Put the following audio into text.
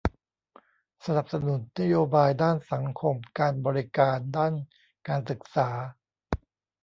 สนับสนุนนโยบายด้านสังคมการบริการด้านการศึกษา